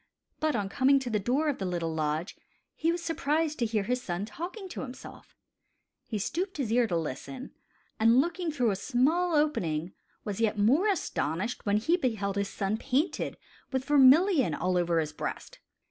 But on coming to the door of rhe little lodge, he was surprised to hear his son talking to himself. He stooped his ear to listen, and, looking through a small opening, was yet more astonished when he beheld his son painted with vermillion over all his breast.